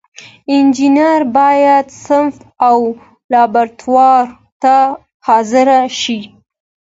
انجینر باید صنف او لابراتوار ته حاضر شي.